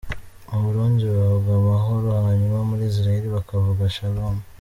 Mu Burundi bavuga Amahoro hanyuma muri Israel bakavuga Shalom.